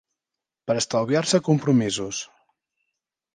Per estalviar-se compromisos